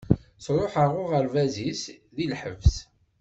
Truḥ ɣer urgaz-is di lḥebs.